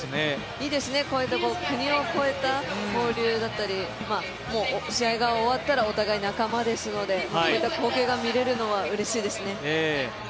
いいですね、こういうところ国を超えた交流だったり試合が終わったらお互い仲間ですのでこういった光景が見れるのはうれしいですね。